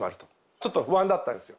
ちょっと不安だったんですよ。